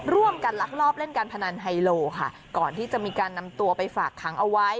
ลักลอบเล่นการพนันไฮโลค่ะก่อนที่จะมีการนำตัวไปฝากขังเอาไว้